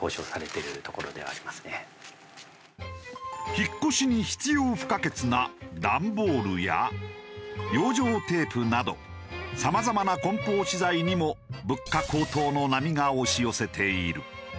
引っ越しに必要不可欠な段ボールや養生テープなどさまざまな梱包資材にも物価高騰の波が押し寄せている。